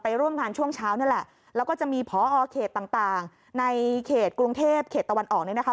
ร่วมงานช่วงเช้านี่แหละแล้วก็จะมีพอเขตต่างในเขตกรุงเทพเขตตะวันออกเนี่ยนะคะ